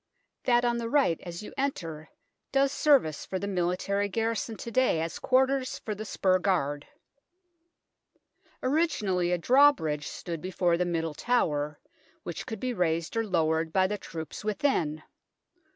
That on the right as you enter does service for the military garrison to day as quarters for the spur guard. Originally a drawbridge stood before the Middle Tower, which could be raised or lowered by the troops within.